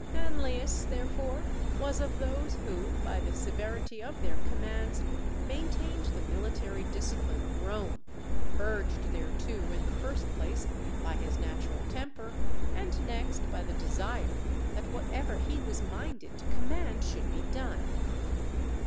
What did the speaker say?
Manlius, therefore, was of those who by the severity of their commands maintained the military discipline of Rome; urged thereto, in the first place, by his natural temper, and next by the desire that whatever he was minded to command should be done.